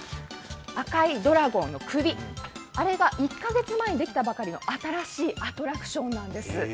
赤いドラゴンの首、あれが１か月前にできたばかりの新しいアトラクションなんです。